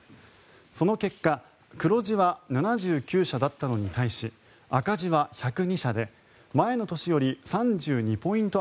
その結果黒字は７９社だったのに対し赤字は１０２社で前の年より３２ポイント